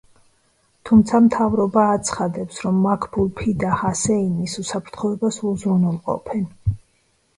თუმცა მთავრობა აცხადებს, რომ მაქბულ ფიდა ჰასეინის უსაფრთხოებას უზრუნველყოფდნენ.